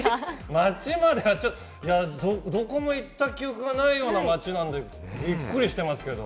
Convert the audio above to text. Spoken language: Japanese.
町まではね、ちょっとどこもいた記憶がないような町なので、びっくりしてますけれども。